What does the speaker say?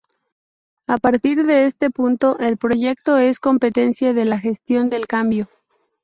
A partir de este punto, el proyecto es competencia de la gestión del cambio.